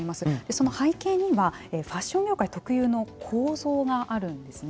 その背景にはファッション業界特有の構造があるんですね。